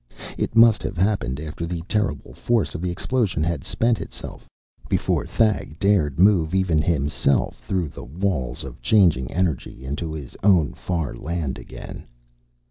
It must have happened after the terrible force of the explosion had spent itself, before Thag dared move even himself through the walls of changing energy into his own far land again.